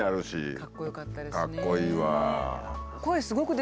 かっこよかったですね。